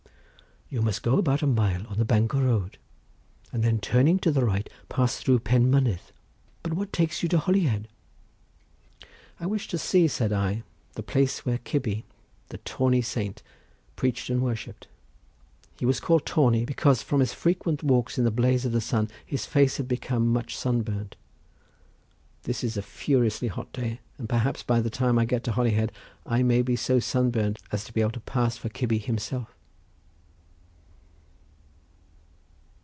"You must go about a mile on the Bangor road, and then turning to the right pass through Penmynnydd, but what takes you to Holyhead?" "I wish to see," said I, "the place where Cybi the tawny saint preached and worshipped. He was called tawny because from his frequent walks in the blaze of the sun his face had become much sun burnt. This is a furiously hot day, and perhaps by the time I get to Holyhead, I may be so sun burnt as to be able to pass for Cybi himself."